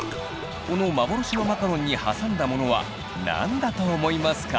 この幻のマカロンに挟んだものは何だと思いますか？